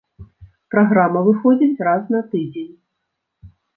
Праграма выходзіць раз на тыдзень.